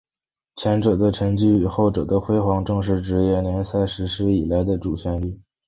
前者的沉寂与后者的辉煌正是职业联赛实施以来的主旋律。